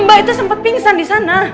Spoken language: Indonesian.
mbak itu sempet pingsan disana